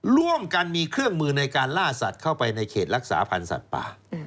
ร่วมกันมีเครื่องมือในการล่าสัตว์เข้าไปในเขตรักษาพันธ์สัตว์ป่า